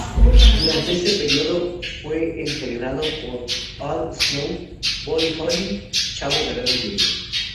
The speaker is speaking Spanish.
Durante este período, fue entrenado por Al Snow, Bob Holly, Chavo Guerrero, Jr.